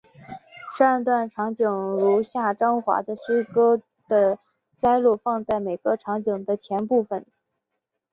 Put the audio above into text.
十二段场景如下张华的诗歌的摘录放在每个场景的前部分。